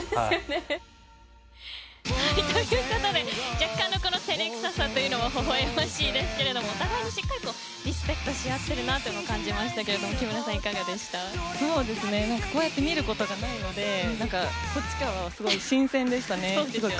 若干の照れくささもほほ笑ましいですけれどもお互いにしっかりとリスペクトし合ってるなというのを感じましたがこうやって見ることがないのでこっちからは新鮮でしたね。